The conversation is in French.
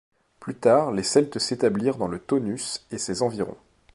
Plus tard les Celtes s'établirent dans le Taunus et ses environs.